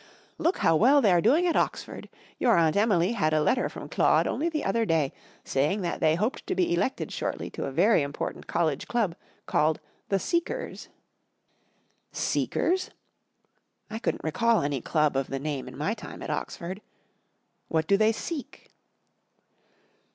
*' Look how well they are doing at Oxford. Your Aunt Emily had a letter from Claude only the other day saying that they hoped to be elected shortly to a very important college club, called The Seekers." " Seekers ?" I couldn't recall any club of the name in my time at Oxford. " What do they seek